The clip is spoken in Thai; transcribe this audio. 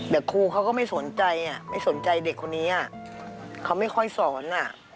แต่ครูเขาก็ไม่สนใจไม่สนใจเด็กคนนี้เขาไม่ค่อยสอน